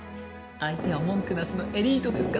相手は文句なしのエリートですから！